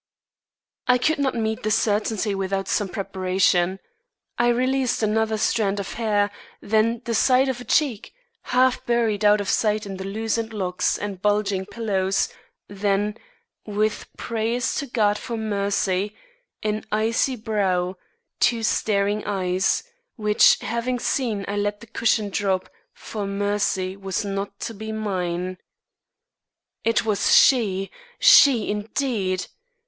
I could not meet the certainty without some preparation. I released another strand of hair; then the side of a cheek, half buried out of sight in the loosened locks and bulging pillows; then, with prayers to God for mercy, an icy brow; two staring eyes which having seen I let the cushion drop, for mercy was not to be mine. It was she, she, indeed!